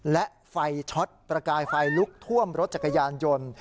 และไฟช็อตประกายไฟลุกท่วมรถจักรยานยนต์